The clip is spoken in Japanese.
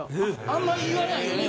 あんまり言わないよね。